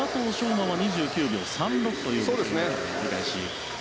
馬は２９秒３６という５０の折り返し。